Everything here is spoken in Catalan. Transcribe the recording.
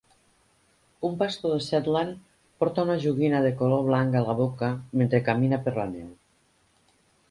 Un Pastor de Shetland porta una joguina de color blanc a la boca mentre camina per la neu.